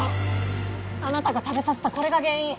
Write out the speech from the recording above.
あなたが食べさせたこれが原因